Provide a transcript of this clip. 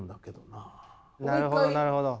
なるほどなるほど。